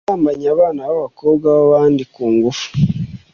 gusambanya abana b'abakobwa babandi kungunfu